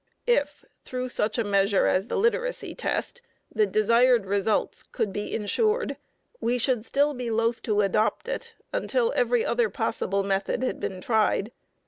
If through such a measure as the literacy test the desired results could be insured, we should still be loath to adopt it until every other possible method had been tried.